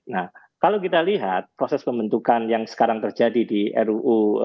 nah kalau kita lihat proses pembentukan yang sekarang terjadi di ruu